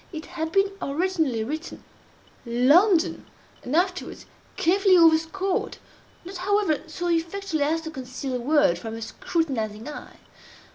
It had been originally written London, and afterwards carefully overscored—not, however, so effectually as to conceal the word from a scrutinizing eye.